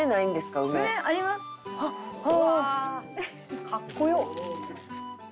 かっこよ！